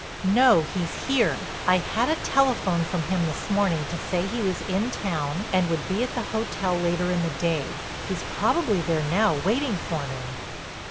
"No—he's here. I had a telephone from him this morning to say he was in town and would be at the hotel later in the day. He's probably there now, waiting for me."